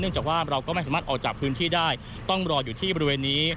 จากว่าเราก็ไม่สามารถออกจากพื้นที่ได้ต้องรออยู่ที่บริเวณนี้